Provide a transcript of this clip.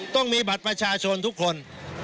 ต้องมีบัตรประชาชนทุกคน